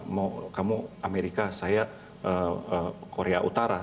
mau kamu amerika saya korea utara